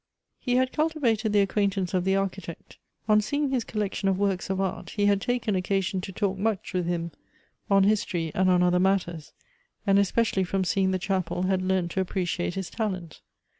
He had cultivated the acquaintance of the Architect. On seeing his collection of works of .art, he had tnken occasion to talk much with him on history and on other matters, .and espeei.ijly from seeing the chapel had learnt to appreciate his talent.